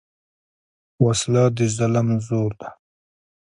وسله د ظلم زور ده